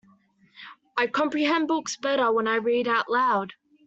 I comprehend books better when I read out aloud.